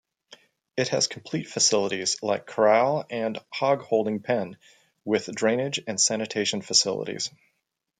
It has complete facilities like corral and hog-holding pen with drainage and sanitation facilities.